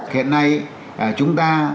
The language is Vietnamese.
hiện nay chúng ta